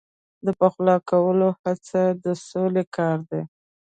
د پخلا کولو هڅه د سولې کار دی.